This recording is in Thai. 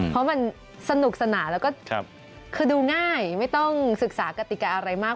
เพราะมันสนุกสนานแล้วก็คือดูง่ายไม่ต้องศึกษากติกาอะไรมาก